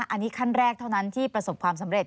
อันนี้ขั้นแรกเท่านั้นที่ประสบความสำเร็จ